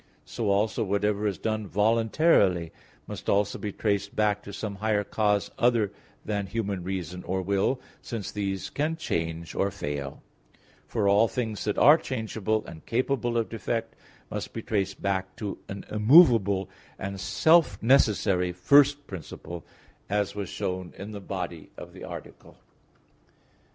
So also whatever is done voluntarily must also be traced back to some higher cause other than human reason or will, since these can change or fail; for all things that are changeable and capable of defect must be traced back to an immovable and self necessary first principle, as was shown in the body of the Article.